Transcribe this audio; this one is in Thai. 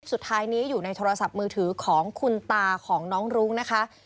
สุดท้ายนี้อยู่ในโทรศัพท์มือถือของคุณตาของน้องรุ้งนะคะ